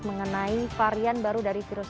mengenai varian baru dari virus